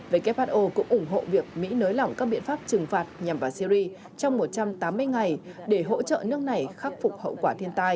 who cũng ủng hộ việc mỹ nới lỏng các biện pháp trừng phạt nhằm vào syri trong một trăm tám mươi ngày để hỗ trợ nước này khắc phục hậu quả thiên tai